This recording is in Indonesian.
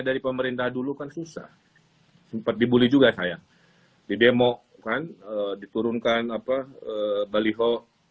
dari pemerintah dulu kan susah sempat dibully juga saya di demo kan diturunkan apa baliho